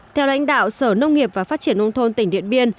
theo lãnh đạo sở nông nghiệp và phát triển nông thôn tỉnh điện biên